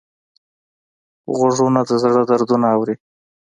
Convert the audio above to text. غوږونه د زړه دردونه اوري